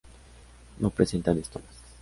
No presentan estomas.